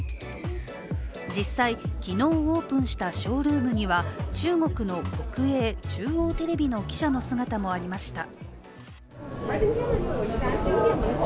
実際、昨日オープンしたショールームには中国の国営・中央テレビの記者の姿もありました。